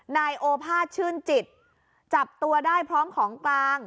นายโอภาษชื่นจิตจับตัวได้พร้อมของกลาง